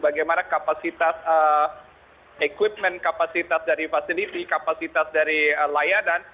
bagaimana kapasitas equipment kapasitas dari fasility kapasitas dari layanan